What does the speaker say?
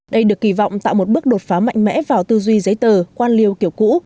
đây được kỳ vọng tạo một bước đột phá mạnh mẽ vào tư duy giấy tờ quan liêu kiểu cũ